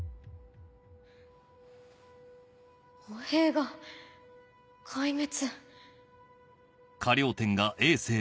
歩兵が壊滅。